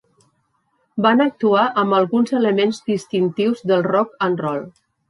Van actuar amb alguns elements distintius del rock and roll.